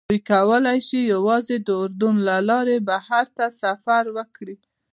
دوی کولی شي یوازې د اردن له لارې بهر ته سفر وکړي.